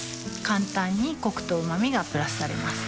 簡単にコクとうま味がプラスされます